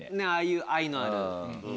ああいう愛のある。